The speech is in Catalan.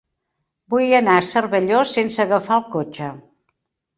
Vull anar a Cervelló sense agafar el cotxe.